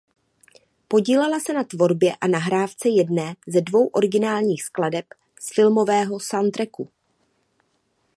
Podílela se na tvorbě a nahrávce jedné ze dvou originálních skladeb z filmového soundtracku.